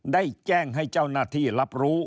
ได้แจ้งให้เจ้าหน้าที่รับรู้